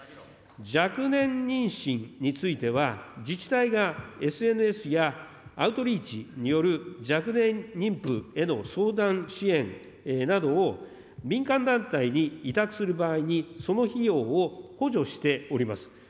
若年妊娠については、自治体がＳＮＳやアウトリーチによる若年妊婦への相談支援などを、民間団体に委託する場合に、その費用を補助しております。